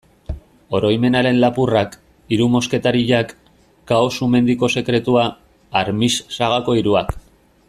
Oroimenaren lapurrak, Hiru mosketariak, Kao-Sumendiko sekretua, Armix sagako hiruak...